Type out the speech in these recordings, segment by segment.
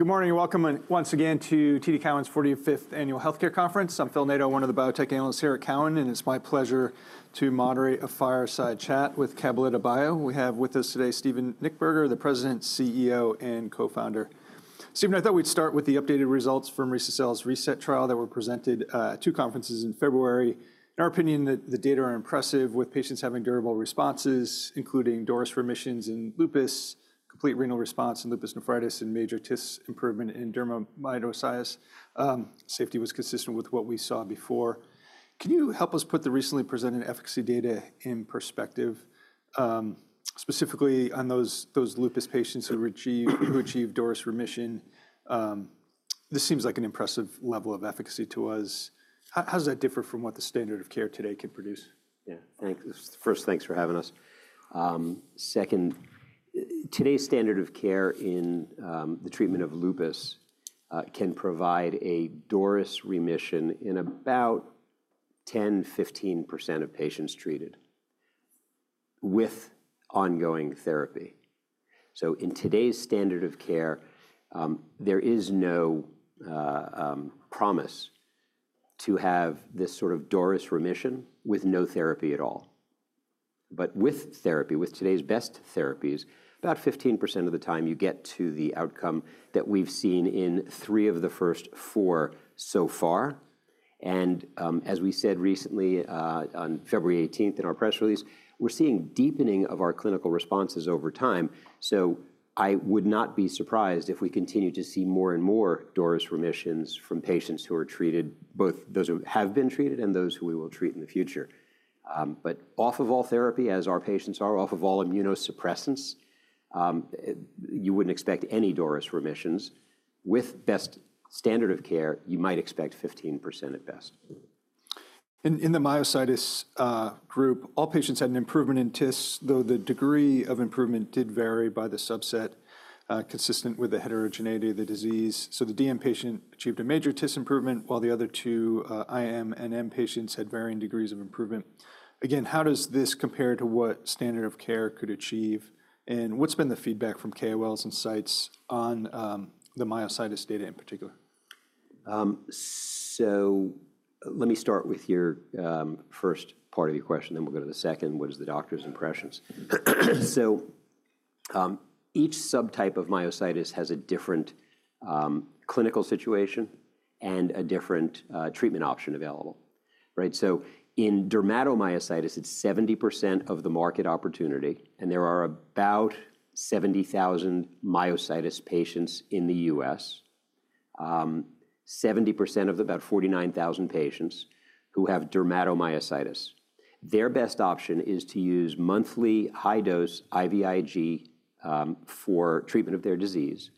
Good morning. Welcome once again to TD Cowen's 45th Annual Healthcare Conference. I'm Phil Nadeau, one of the biotech analysts here at Cowen, and it's my pleasure to moderate a fireside chat with Cabaletta Bio. We have with us today Steven Nichtberger, the President, CEO, and Co-Founder. Steven, I thought we'd start with the updated results from rese-cel's RESET trial that were presented at two conferences in February. In our opinion, the data are impressive, with patients having durable responses, including DORIS remissions in lupus, complete renal response in lupus nephritis, and major TIS improvement in dermatomyositis. Safety was consistent with what we saw before. Can you help us put the recently presented efficacy data in perspective, specifically on those lupus patients who achieve DORIS remission? This seems like an impressive level of efficacy to us. How does that differ from what the standard of care today can produce? Yeah, thanks. First, thanks for having us. Second, today's standard of care in the treatment of lupus can provide a DORIS remission in about 10%-15% of patients treated with ongoing therapy. In today's standard of care, there is no promise to have this sort of DORIS remission with no therapy at all. With therapy, with today's best therapies, about 15% of the time you get to the outcome that we've seen in three of the first four so far. As we said recently on February 18th in our press release, we're seeing deepening of our clinical responses over time. I would not be surprised if we continue to see more and more DORIS remissions from patients who are treated, both those who have been treated and those who we will treat in the future. Off of all therapy, as our patients are, off of all immunosuppressants, you would not expect any DORIS remissions. With best standard of care, you might expect 15% at best. In the myositis group, all patients had an improvement in TIS, though the degree of improvement did vary by the subset, consistent with the heterogeneity of the disease. The DM patient achieved a major TIS improvement, while the other two IMNM patients had varying degrees of improvement. Again, how does this compare to what standard of care could achieve? What's been the feedback from KOLs and sites on the myositis data in particular? Let me start with your first part of your question, then we'll go to the second, what is the doctor's impressions. Each subtype of myositis has a different clinical situation and a different treatment option available. In dermatomyositis, it's 70% of the market opportunity, and there are about 70,000 myositis patients in the U.S., 70% of the about 49,000 patients who have dermatomyositis. Their best option is to use monthly high-dose IVIG for treatment of their disease.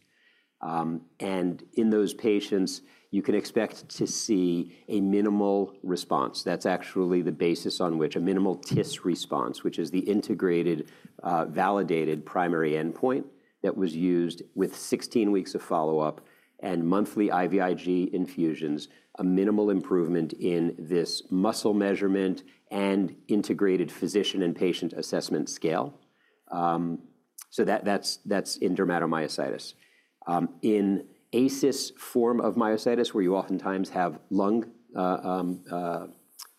In those patients, you can expect to see a minimal response. That's actually the basis on which a minimal TIS response, which is the integrated validated primary endpoint that was used with 16 weeks of follow-up and monthly IVIG infusions, a minimal improvement in this muscle measurement and integrated physician and patient assessment scale. That's in dermatomyositis. In ASyS form of myositis, where you oftentimes have lung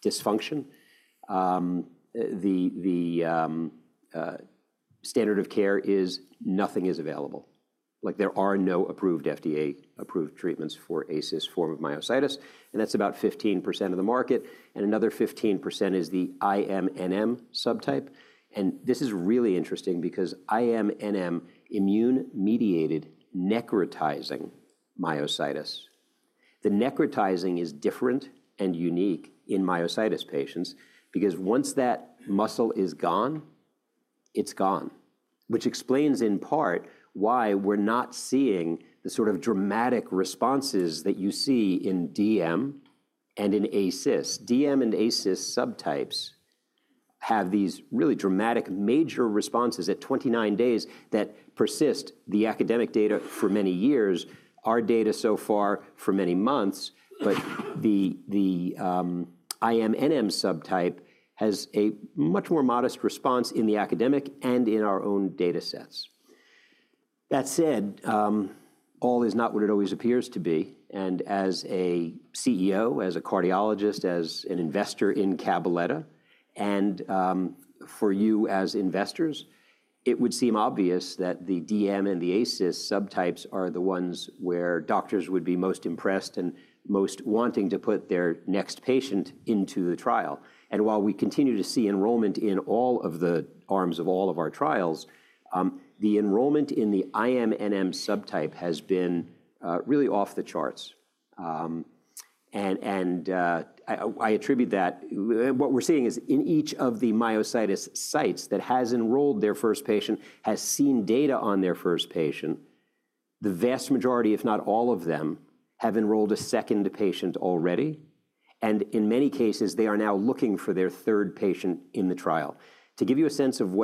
dysfunction, the standard of care is nothing is available. There are no FDA-approved treatments for ASyS form of myositis, and that's about 15% of the market. Another 15% is the IMNM subtype. This is really interesting because Immune-Mediated Necrotizing Myositis, the necrotizing is different and unique in myositis patients because once that muscle is gone, it's gone, which explains in part why we're not seeing the sort of dramatic responses that you see in DM and in ASyS. DM and ASyS subtypes have these really dramatic major responses at 29 days that persist in the academic data for many years, our data so far for many months. The IMNM subtype has a much more modest response in the academic and in our own data sets. That said, all is not what it always appears to be. As a CEO, as a cardiologist, as an investor in Cabaletta, and for you as investors, it would seem obvious that the DM and the AS subtypes are the ones where doctors would be most impressed and most wanting to put their next patient into the trial. While we continue to see enrollment in all of the arms of all of our trials, the enrollment in the IMNM subtype has been really off the charts. I attribute that to what we're seeing is in each of the myositis sites that has enrolled their first patient, has seen data on their first patient, the vast majority, if not all of them, have enrolled a second patient already. In many cases, they are now looking for their third patient in the trial. To give you a sense of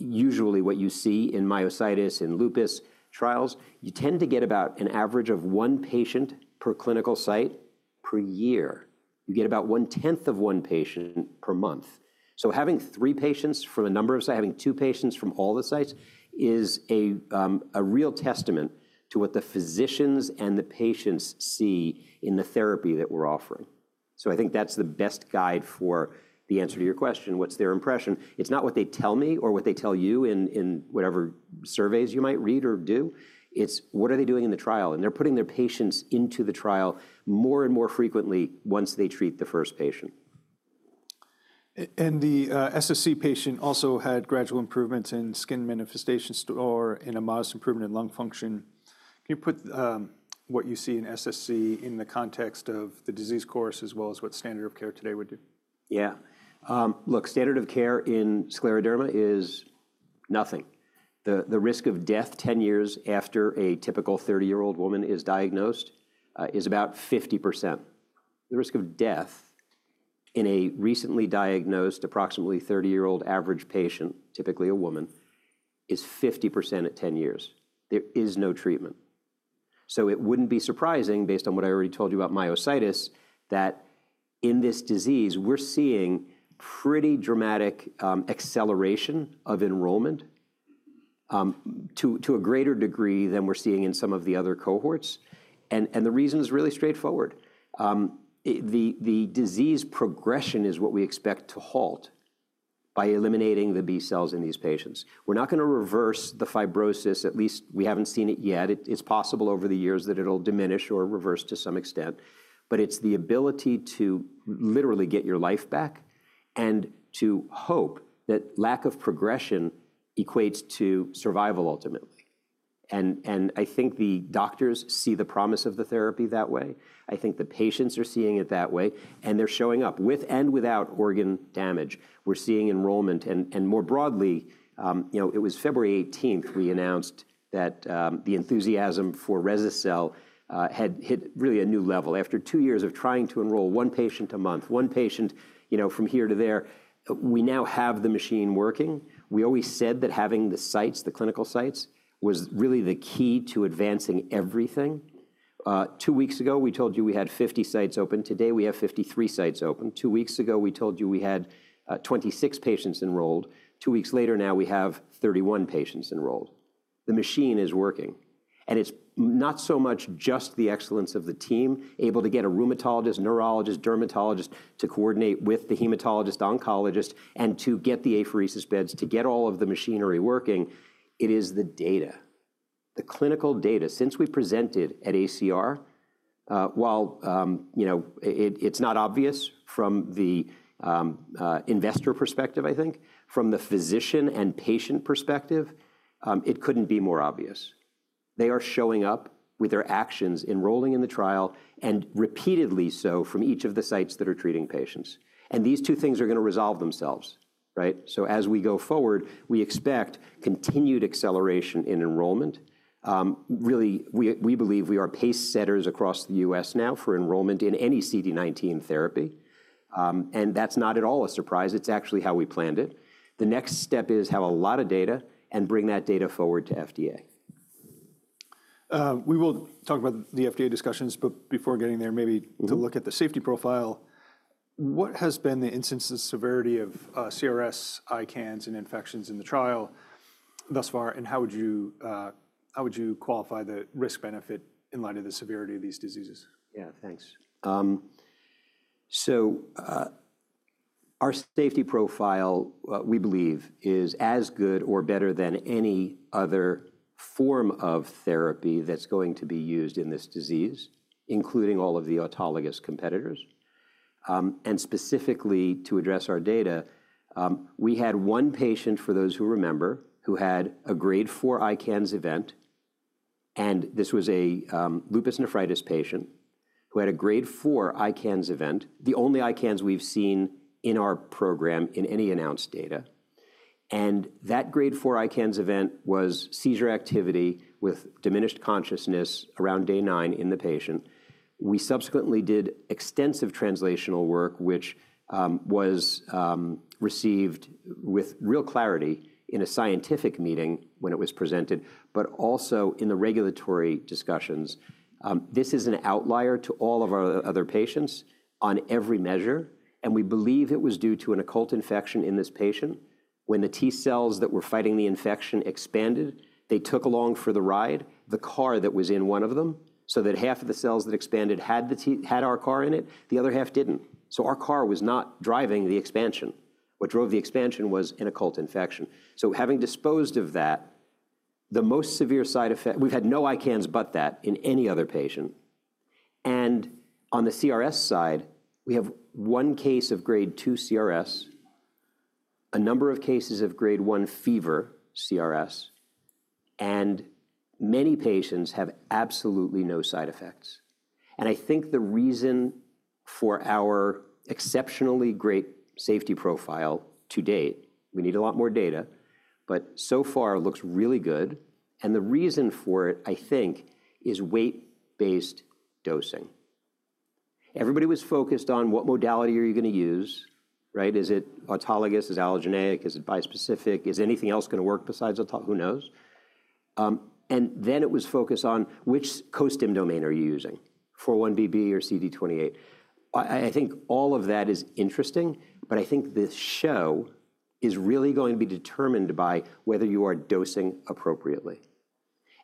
usually what you see in myositis and lupus trials, you tend to get about an average of one patient per clinical site per year. You get about one-tenth of one patient per month. Having three patients from a number of sites, having two patients from all the sites is a real testament to what the physicians and the patients see in the therapy that we're offering. I think that's the best guide for the answer to your question, what's their impression. It's not what they tell me or what they tell you in whatever surveys you might read or do. It's what are they doing in the trial. They're putting their patients into the trial more and more frequently once they treat the first patient. The SSc patient also had gradual improvements in skin manifestations or in a modest improvement in lung function. Can you put what you see in SSc in the context of the disease course as well as what standard of care today would do? Yeah. Look, standard of care in scleroderma is nothing. The risk of death 10 years after a typical 30-year-old woman is diagnosed is about 50%. The risk of death in a recently diagnosed approximately 30-year-old average patient, typically a woman, is 50% at 10 years. There is no treatment. It wouldn't be surprising, based on what I already told you about myositis, that in this disease, we're seeing pretty dramatic acceleration of enrollment to a greater degree than we're seeing in some of the other cohorts. The reason is really straightforward. The disease progression is what we expect to halt by eliminating the B cells in these patients. We're not going to reverse the fibrosis. At least we haven't seen it yet. It's possible over the years that it'll diminish or reverse to some extent. It is the ability to literally get your life back and to hope that lack of progression equates to survival ultimately. I think the doctors see the promise of the therapy that way. I think the patients are seeing it that way. They are showing up with and without organ damage. We are seeing enrollment. More broadly, it was February 18th we announced that the enthusiasm for rese-cel had hit really a new level. After two years of trying to enroll one patient a month, one patient from here to there, we now have the machine working. We always said that having the sites, the clinical sites, was really the key to advancing everything. Two weeks ago, we told you we had 50 sites open. Today, we have 53 sites open. Two weeks ago, we told you we had 26 patients enrolled. Two weeks later, now we have 31 patients enrolled. The machine is working. It's not so much just the excellence of the team, able to get a rheumatologist, neurologist, dermatologist to coordinate with the hematologist, oncologist, and to get the apheresis beds, to get all of the machinery working. It is the data, the clinical data. Since we presented at ACR, while it's not obvious from the investor perspective, I think, from the physician and patient perspective, it couldn't be more obvious. They are showing up with their actions, enrolling in the trial, and repeatedly so from each of the sites that are treating patients. These two things are going to resolve themselves. As we go forward, we expect continued acceleration in enrollment. Really, we believe we are pacesetters across the US now for enrollment in any CD19 therapy. That's not at all a surprise. It's actually how we planned it. The next step is have a lot of data and bring that data forward to FDA. We will talk about the FDA discussions. Before getting there, maybe to look at the safety profile, what has been the instance of severity of CRS, ICANS, and infections in the trial thus far? How would you qualify the risk-benefit in light of the severity of these diseases? Yeah, thanks. Our safety profile, we believe, is as good or better than any other form of therapy that's going to be used in this disease, including all of the autologous competitors. Specifically, to address our data, we had one patient, for those who remember, who had a grade 4 ICANS event. This was a lupus nephritis patient who had a grade 4 ICANS event, the only ICANS we've seen in our program in any announced data. That grade 4 ICANS event was seizure activity with diminished consciousness around day nine in the patient. We subsequently did extensive translational work, which was received with real clarity in a scientific meeting when it was presented, but also in the regulatory discussions. This is an outlier to all of our other patients on every measure. We believe it was due to an occult infection in this patient. When the T cells that were fighting the infection expanded, they took along for the ride the CAR that was in one of them. So that half of the cells that expanded had our CAR in it. The other half didn't. Our CAR was not driving the expansion. What drove the expansion was an occult infection. Having disposed of that, the most severe side effect, we've had no ICANS but that in any other patient. On the CRS side, we have one case of grade 2 CRS, a number of cases of grade 1 fever CRS, and many patients have absolutely no side effects. I think the reason for our exceptionally great safety profile to date, we need a lot more data, but so far looks really good. The reason for it, I think, is weight-based dosing. Everybody was focused on what modality are you going to use. Is it autologous? Is it allogeneic? Is it bispecific? Is anything else going to work besides autologous? Who knows. It was focused on which co-stim domain are you using, 4-1BB or CD28. I think all of that is interesting. I think the show is really going to be determined by whether you are dosing appropriately.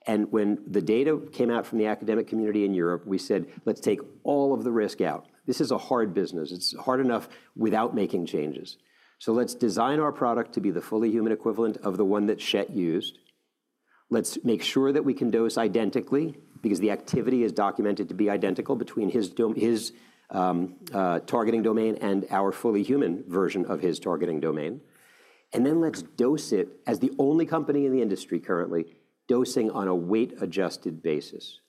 When the data came out from the academic community in Europe, we said, let's take all of the risk out. This is a hard business. It's hard enough without making changes. Let's design our product to be the fully human equivalent of the one that Schett used. Let's make sure that we can dose identically because the activity is documented to be identical between his targeting domain and our fully human version of his targeting domain. Let's dose it as the only company in the industry currently dosing on a weight-adjusted basis.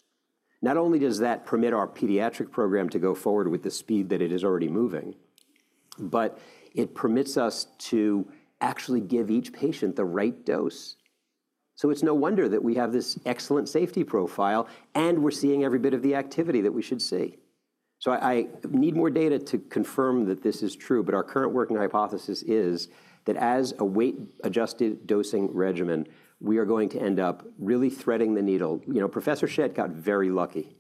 Not only does that permit our pediatric program to go forward with the speed that it is already moving, but it permits us to actually give each patient the right dose. It is no wonder that we have this excellent safety profile, and we're seeing every bit of the activity that we should see. I need more data to confirm that this is true. Our current working hypothesis is that as a weight-adjusted dosing regimen, we are going to end up really threading the needle. Professor Schett got very lucky.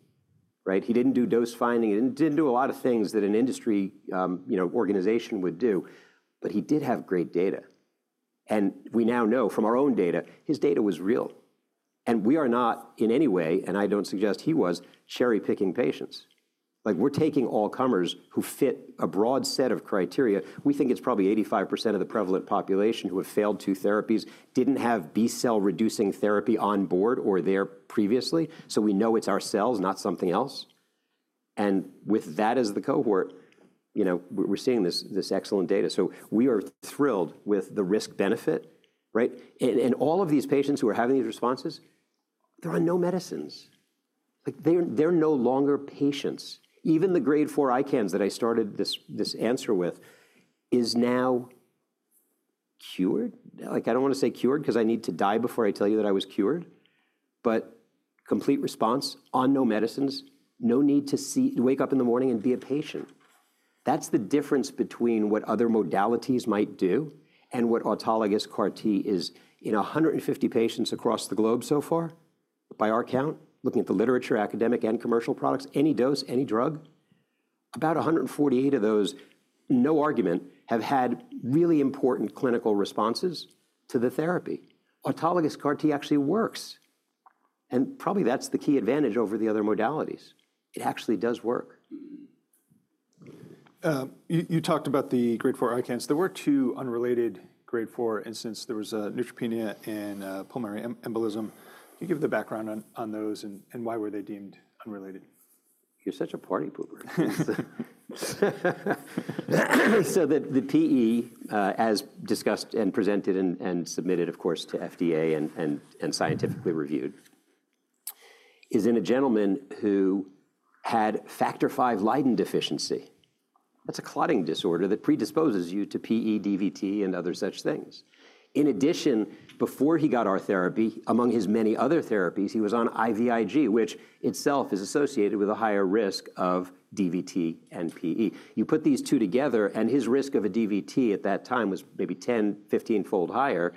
He didn't do dose finding. He didn't do a lot of things that an industry organization would do. He did have great data. We now know from our own data, his data was real. We are not in any way, and I do not suggest he was, cherry-picking patients. We are taking all comers who fit a broad set of criteria. We think it is probably 85% of the prevalent population who have failed two therapies, did not have B cell reducing therapy on board or there previously. We know it is our cells, not something else. With that as the cohort, we are seeing this excellent data. We are thrilled with the risk-benefit. All of these patients who are having these responses, they are on no medicines. They are no longer patients. Even the grade 4 ICANS that I started this answer with is now cured. I do not want to say cured because I need to die before I tell you that I was cured. Complete response on no medicines, no need to wake up in the morning and be a patient. That's the difference between what other modalities might do and what autologous CAR-T is. In 150 patients across the globe so far, by our count, looking at the literature, academic, and commercial products, any dose, any drug, about 148 of those, no argument, have had really important clinical responses to the therapy. Autologous CAR-T actually works. Probably that's the key advantage over the other modalities. It actually does work. You talked about the grade 4 ICANS. There were two unrelated grade 4 incidents. There was neutropenia and pulmonary embolism. Can you give the background on those and why were they deemed unrelated? You're such a party pooper. The PE, as discussed and presented and submitted, of course, to FDA and scientifically reviewed, is in a gentleman who had Factor V Leiden deficiency. That's a clotting disorder that predisposes you to PE, DVT, and other such things. In addition, before he got our therapy, among his many other therapies, he was on IVIG, which itself is associated with a higher risk of DVT and PE. You put these two together, and his risk of a DVT at that time was maybe 10-15-fold higher.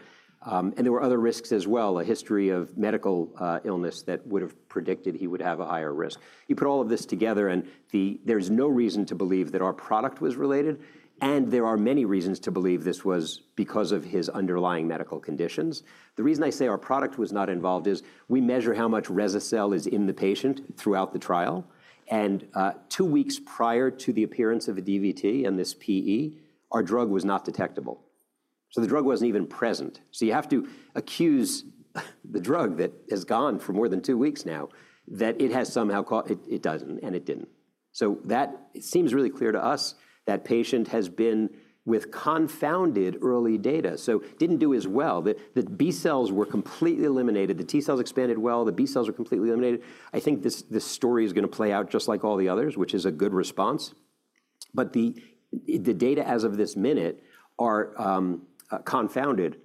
There were other risks as well, a history of medical illness that would have predicted he would have a higher risk. You put all of this together, and there's no reason to believe that our product was related. There are many reasons to believe this was because of his underlying medical conditions. The reason I say our product was not involved is we measure how much rese-cel is in the patient throughout the trial. Two weeks prior to the appearance of a DVT and this PE, our drug was not detectable. The drug was not even present. You have to accuse the drug that has been gone for more than two weeks that it has somehow caused it. It does not, and it did not. That seems really clear to us. That patient has been with confounded early data. Did not do as well. The B cells were completely eliminated. The T cells expanded well. The B cells were completely eliminated. I think this story is going to play out just like all the others, which is a good response. The data as of this minute are confounded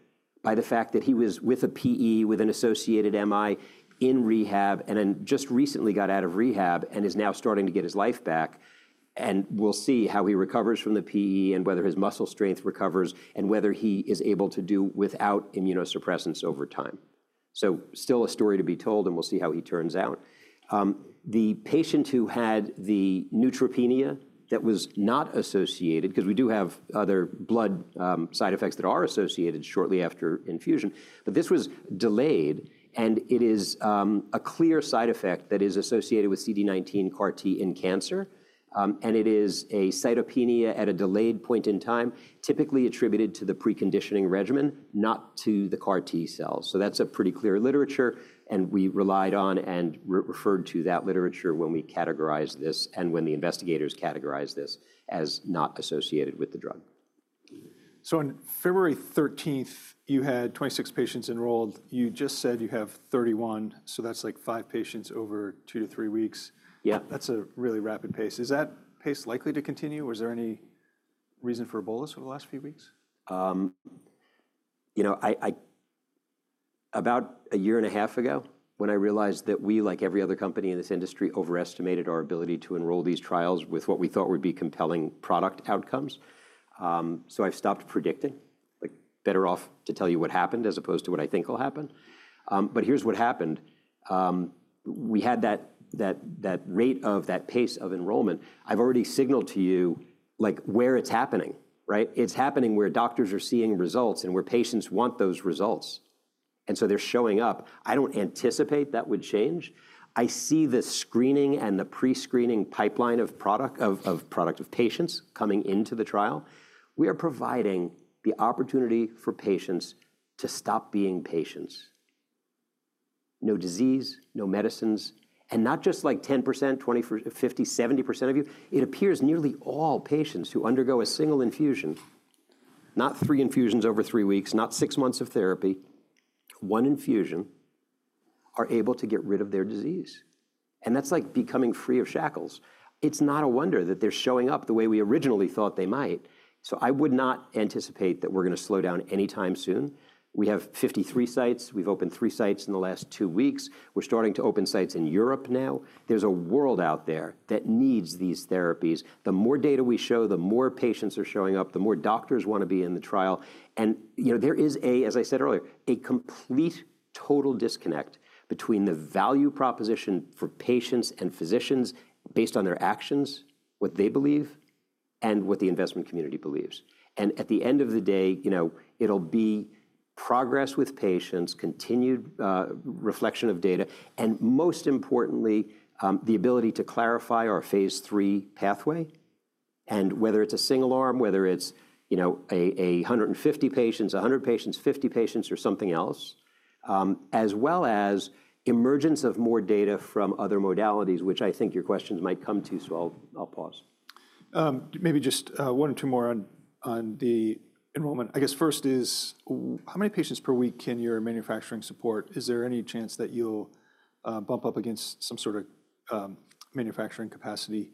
by the fact that he was with a PE with an associated MI in rehab and then just recently got out of rehab and is now starting to get his life back. We will see how he recovers from the PE and whether his muscle strength recovers and whether he is able to do without immunosuppressants over time. Still a story to be told, and we will see how he turns out. The patient who had the neutropenia that was not associated, because we do have other blood side effects that are associated shortly after infusion, but this was delayed. It is a clear side effect that is associated with CD19 CAR-T in cancer. It is a cytopenia at a delayed point in time, typically attributed to the preconditioning regimen, not to the CAR-T cells. That's a pretty clear literature. We relied on and referred to that literature when we categorized this and when the investigators categorized this as not associated with the drug. On February 13th, you had 26 patients enrolled. You just said you have 31. That is like five patients over two to three weeks. Yeah. That's a really rapid pace. Is that pace likely to continue? Was there any reason for a bolus over the last few weeks? About a year and a half ago when I realized that we, like every other company in this industry, overestimated our ability to enroll these trials with what we thought would be compelling product outcomes. I have stopped predicting. Better off to tell you what happened as opposed to what I think will happen. Here is what happened. We had that rate of that pace of enrollment. I have already signaled to you where it is happening. It is happening where doctors are seeing results and where patients want those results. They are showing up. I do not anticipate that would change. I see the screening and the pre-screening pipeline of patients coming into the trial. We are providing the opportunity for patients to stop being patients. No disease, no medicines. Not just like 10%, 20%, 50%, 70% of you. It appears nearly all patients who undergo a single infusion, not three infusions over three weeks, not six months of therapy, one infusion are able to get rid of their disease. That's like becoming free of shackles. It's not a wonder that they're showing up the way we originally thought they might. I would not anticipate that we're going to slow down anytime soon. We have 53 sites. We've opened three sites in the last two weeks. We're starting to open sites in Europe now. There's a world out there that needs these therapies. The more data we show, the more patients are showing up, the more doctors want to be in the trial. There is, as I said earlier, a complete total disconnect between the value proposition for patients and physicians based on their actions, what they believe, and what the investment community believes. At the end of the day, it'll be progress with patients, continued reflection of data, and most importantly, the ability to clarify our phase three pathway and whether it's a single arm, whether it's 150 patients, 100 patients, 50 patients, or something else, as well as emergence of more data from other modalities, which I think your questions might come to. I'll pause. Maybe just one or two more on the enrollment. I guess first is, how many patients per week can your manufacturing support? Is there any chance that you'll bump up against some sort of manufacturing capacity?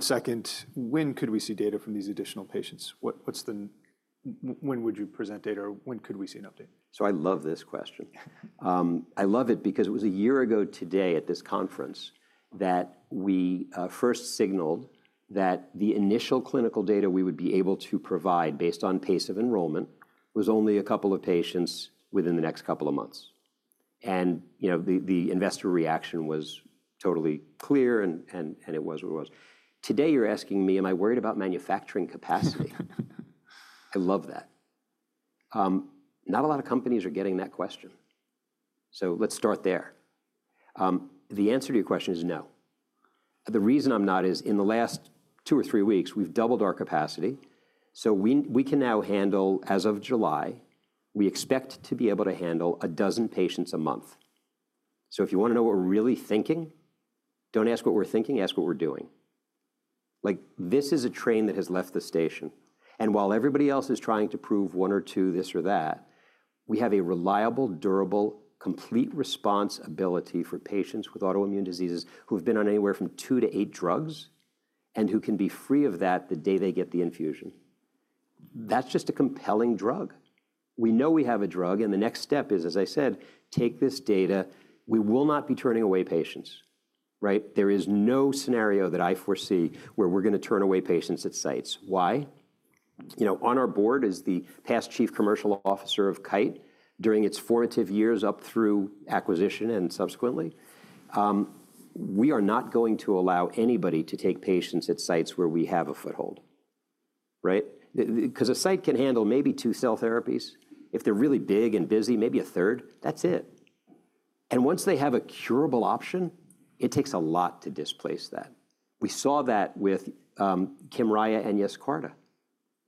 Second, when could we see data from these additional patients? When would you present data? When could we see an update? I love this question. I love it because it was a year ago today at this conference that we first signaled that the initial clinical data we would be able to provide based on pace of enrollment was only a couple of patients within the next couple of months. The investor reaction was totally clear, and it was what it was. Today you're asking me, am I worried about manufacturing capacity? I love that. Not a lot of companies are getting that question. Let's start there. The answer to your question is no. The reason I'm not is in the last two or three weeks, we've doubled our capacity. We can now handle, as of July, we expect to be able to handle a dozen patients a month. If you want to know what we're really thinking, don't ask what we're thinking. Ask what we're doing. This is a train that has left the station. While everybody else is trying to prove one or two, this or that, we have a reliable, durable, complete response ability for patients with autoimmune diseases who have been on anywhere from two to eight drugs and who can be free of that the day they get the infusion. That's just a compelling drug. We know we have a drug. The next step is, as I said, take this data. We will not be turning away patients. There is no scenario that I foresee where we're going to turn away patients at sites. Why? On our board is the past Chief Commercial Officer of Kite during its formative years up through acquisition and subsequently. We are not going to allow anybody to take patients at sites where we have a foothold. Because a site can handle maybe two cell therapies. If they're really big and busy, maybe a third. That's it. Once they have a curable option, it takes a lot to displace that. We saw that with Kymriah and Yescarta.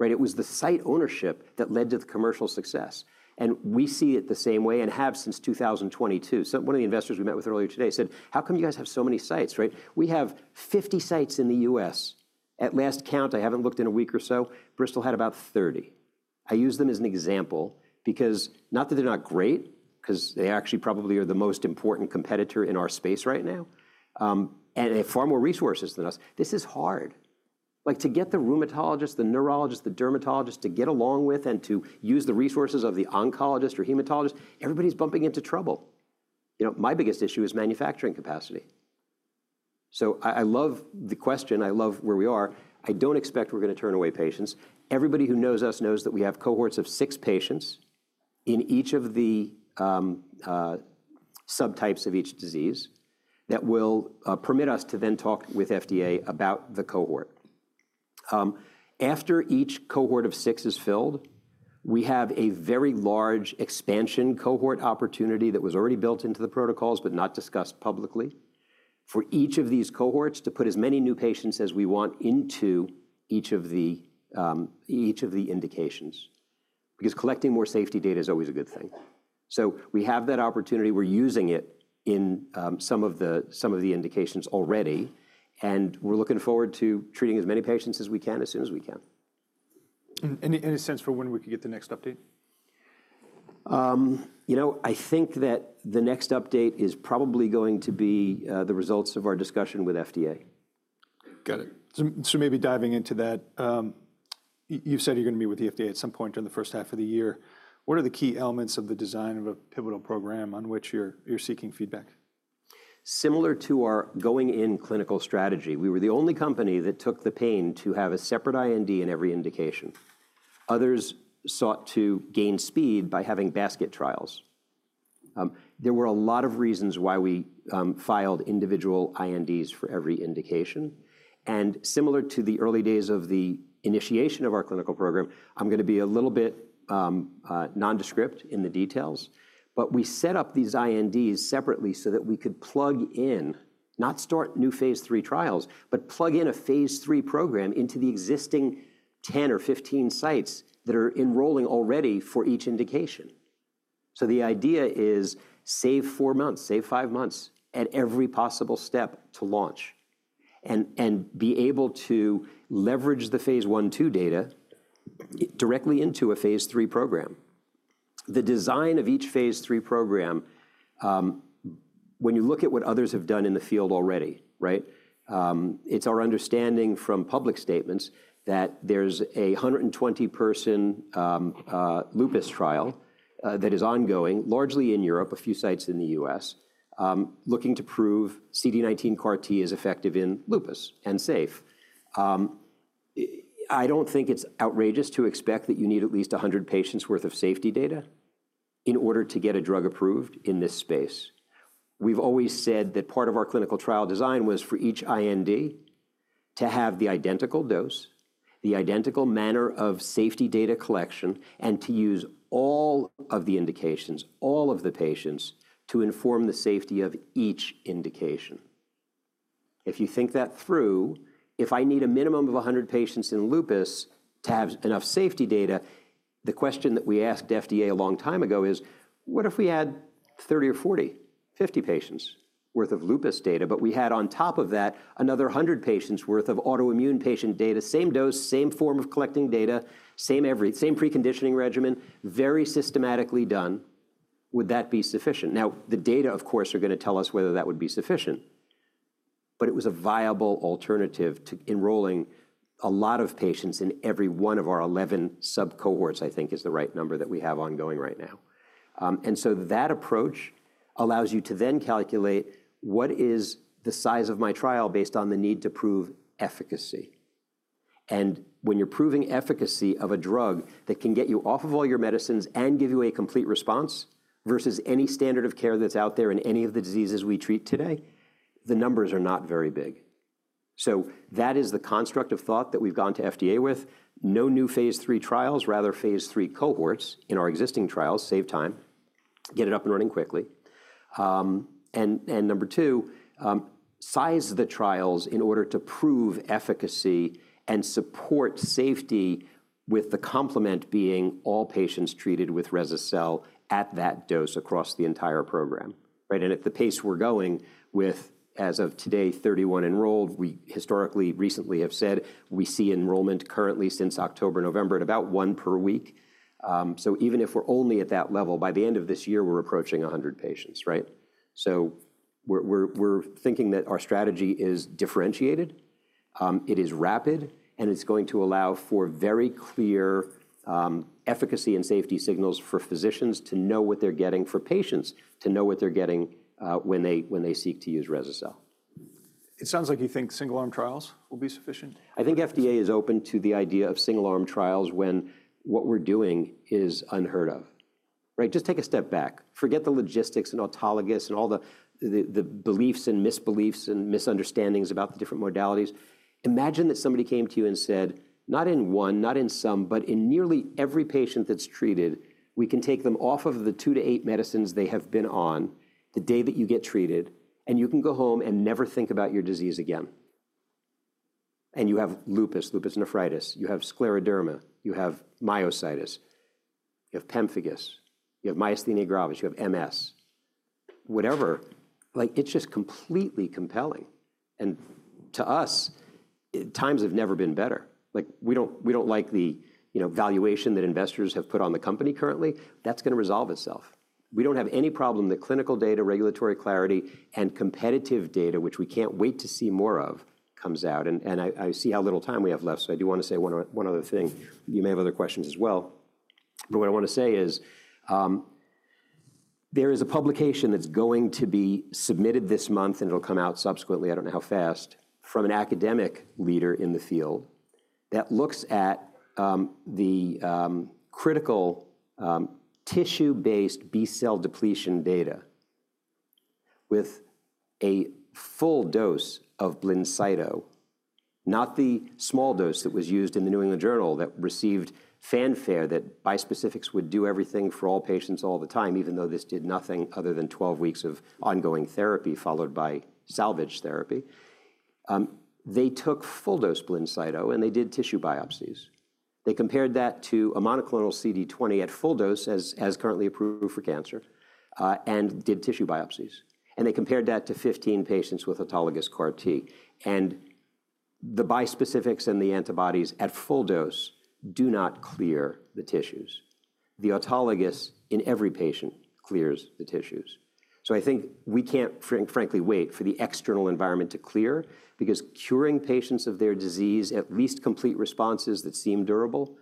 It was the site ownership that led to the commercial success. We see it the same way and have since 2022. One of the investors we met with earlier today said, how come you guys have so many sites? We have 50 sites in the US. At last count, I haven't looked in a week or so, Bristol had about 30. I use them as an example not that they're not great, because they actually probably are the most important competitor in our space right now, and they have far more resources than us. This is hard. To get the rheumatologist, the neurologist, the dermatologist to get along with and to use the resources of the oncologist or hematologist, everybody's bumping into trouble. My biggest issue is manufacturing capacity. I love the question. I love where we are. I don't expect we're going to turn away patients. Everybody who knows us knows that we have cohorts of six patients in each of the subtypes of each disease that will permit us to then talk with FDA about the cohort. After each cohort of six is filled, we have a very large expansion cohort opportunity that was already built into the protocols but not discussed publicly for each of these cohorts to put as many new patients as we want into each of the indications. Because collecting more safety data is always a good thing. We have that opportunity. We're using it in some of the indications already. We are looking forward to treating as many patients as we can as soon as we can. Any sense for when we could get the next update? I think that the next update is probably going to be the results of our discussion with FDA. Got it. Maybe diving into that, you've said you're going to meet with the FDA at some point during the first half of the year. What are the key elements of the design of a pivotal program on which you're seeking feedback? Similar to our going-in clinical strategy, we were the only company that took the pain to have a separate IND in every indication. Others sought to gain speed by having basket trials. There were a lot of reasons why we filed individual INDs for every indication. Similar to the early days of the initiation of our clinical program, I'm going to be a little bit nondescript in the details. We set up these INDs separately so that we could plug in, not start new phase three trials, but plug in a phase three program into the existing 10 or 15 sites that are enrolling already for each indication. The idea is save four months, save five months at every possible step to launch and be able to leverage the phase one two data directly into a phase three program. The design of each phase three program, when you look at what others have done in the field already, it's our understanding from public statements that there's a 120-person lupus trial that is ongoing, largely in Europe, a few sites in the U.S., looking to prove CD19 CAR-T is effective in lupus and safe. I don't think it's outrageous to expect that you need at least 100 patients' worth of safety data in order to get a drug approved in this space. We've always said that part of our clinical trial design was for each IND to have the identical dose, the identical manner of safety data collection, and to use all of the indications, all of the patients to inform the safety of each indication. If you think that through, if I need a minimum of 100 patients in lupus to have enough safety data, the question that we asked FDA a long time ago is, what if we had 30 or 40, 50 patients' worth of lupus data, but we had on top of that another 100 patients' worth of autoimmune patient data, same dose, same form of collecting data, same preconditioning regimen, very systematically done, would that be sufficient? The data, of course, are going to tell us whether that would be sufficient. It was a viable alternative to enrolling a lot of patients in every one of our 11 subcohorts, I think is the right number that we have ongoing right now. That approach allows you to then calculate what is the size of my trial based on the need to prove efficacy. When you're proving efficacy of a drug that can get you off of all your medicines and give you a complete response versus any standard of care that's out there in any of the diseases we treat today, the numbers are not very big. That is the construct of thought that we've gone to FDA with. No new phase three trials, rather phase three cohorts in our existing trials, save time, get it up and running quickly. Number two, size the trials in order to prove efficacy and support safety with the complement being all patients treated with rese-cel at that dose across the entire program. At the pace we're going with, as of today, 31 enrolled, we historically recently have said we see enrollment currently since October, November at about one per week. Even if we're only at that level, by the end of this year, we're approaching 100 patients. We're thinking that our strategy is differentiated. It is rapid. It's going to allow for very clear efficacy and safety signals for physicians to know what they're getting, for patients to know what they're getting when they seek to use rese-cel. It sounds like you think single-arm trials will be sufficient. I think FDA is open to the idea of single-arm trials when what we're doing is unheard of. Just take a step back. Forget the logistics and autologous and all the beliefs and misbeliefs and misunderstandings about the different modalities. Imagine that somebody came to you and said, not in one, not in some, but in nearly every patient that's treated, we can take them off of the two to eight medicines they have been on the day that you get treated, and you can go home and never think about your disease again. You have lupus, lupus nephritis. You have scleroderma. You have myositis. You have pemphigus. You have myasthenia gravis. You have MS. Whatever. It's just completely compelling. To us, times have never been better. We don't like the valuation that investors have put on the company currently. That's going to resolve itself. We don't have any problem that clinical data, regulatory clarity, and competitive data, which we can't wait to see more of, comes out. I see how little time we have left. I do want to say one other thing. You may have other questions as well. What I want to say is there is a publication that's going to be submitted this month, and it'll come out subsequently, I don't know how fast, from an academic leader in the field that looks at the critical tissue-based B cell depletion data with a full dose of BLINCYTO, not the small dose that was used in the New England Journal that received fanfare that bispecifics would do everything for all patients all the time, even though this did nothing other than 12 weeks of ongoing therapy followed by salvage therapy. They took full-dose BLINCYTO, and they did tissue biopsies. They compared that to a monoclonal CD20 at full dose as currently approved for cancer and did tissue biopsies. They compared that to 15 patients with autologous CAR-T. The bispecifics and the antibodies at full dose do not clear the tissues. The autologous in every patient clears the tissues. I think we can't frankly wait for the external environment to clear because curing patients of their disease, at least complete responses that seem durable,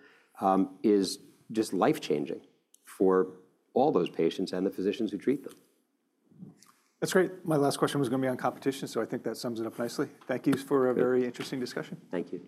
is just life-changing for all those patients and the physicians who treat them. That's great. My last question was going to be on competition. I think that sums it up nicely. Thank you for a very interesting discussion. Thank you.